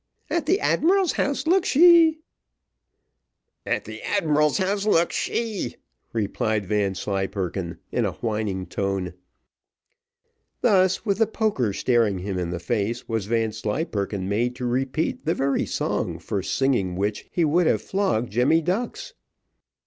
'At the admiral's house looked she.'" "'At the admiral's house looked she,'" replied Vanslyperken, in a whining tone. Thus, with the poker staring him in the face, was Vanslyperken made to repeat the very song for singing which he would have flogged Jemmy Ducks.